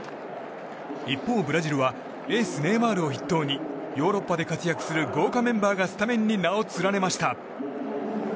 一方、ブラジルはエース、ネイマールを筆頭にヨーロッパで活躍する豪華メンバーがスタメンに名を連ねました。